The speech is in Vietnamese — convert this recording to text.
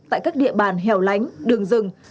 tại các địa bàn hẻo lánh đường rừng